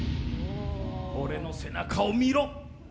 俺の背中を見ろ！